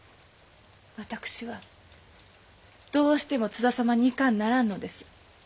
私はどうしても津田様に行かんならんのです。